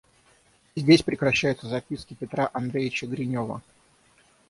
Здесь прекращаются записки Петра Андреевича Гринева.